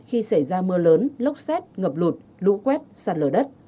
khi xảy ra mưa lớn lốc xét ngập lụt lũ quét sạt lở đất